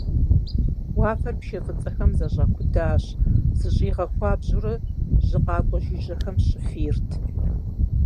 Уафэр пшэ фӀыцӀэхэм зэщӀакудащ, зыщӀигъэхуабжьэурэ, жьыр къуакӀэ жыжьэхэм щыфийрт.